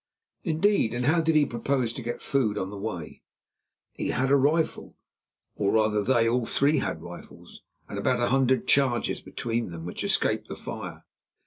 "Indeed; and how did he propose to get food on the way?" "He had a rifle, or rather they all three had rifles, and about a hundred charges between them, which escaped the fire."